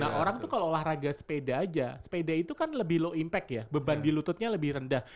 nah orang tuh kalau olahraga sepeda aja sepeda itu kan lebih low impact ya beban di lututnya lebih rendah